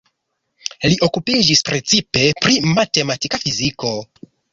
Li okupiĝis precipe pri matematika fiziko.